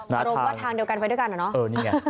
แบบว่าทางเดียวกันไฟด้วยกันหรอ